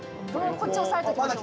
こっち押さえときましょうか？